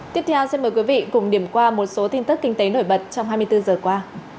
tiếp theo xin mời quý vị cùng điểm qua một số tin tức kinh tế nổi bật trong hai mươi bốn giờ qua